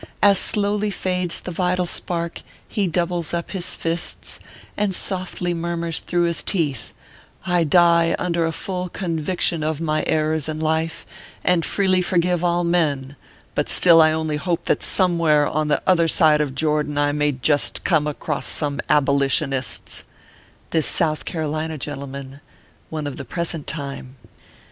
As slowly fades the vital spark, ho doubles up his fists, And softly murmurs through his teeth :" I die under a full conviction of my errors in life, and freely forgive all men ; but still I only hope that somewhere on the other side of Jordan I may just come across some ab o li tion ists I" This South Carolina gentleman, One of the present time.